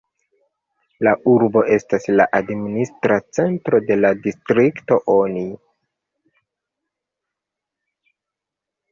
La urbo estas la administra centro de la distrikto Oni.